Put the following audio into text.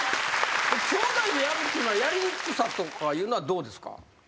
きょうだいでやるっていうのはやりにくさとかいうのはどうですか？